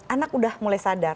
anak udah mulai sadar